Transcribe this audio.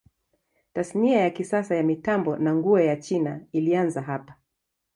Tasnia ya kisasa ya mitambo na nguo ya China ilianza hapa.